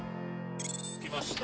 着きました。